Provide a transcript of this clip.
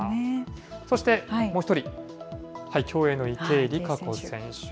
そして、もう一人、競泳の池江璃花子選手。